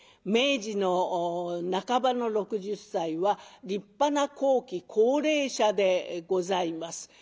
明治の半ばの６０歳は立派な後期高齢者でございます。